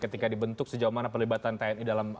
ketika dibentuk sejauh mana pelibatan tni dalam